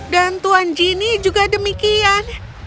dan tuan genie juga demikian